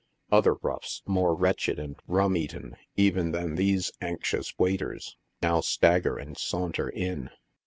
Other roughs, more wretched and rum eaten even than these anxious v. alters, now stagger and saunter in.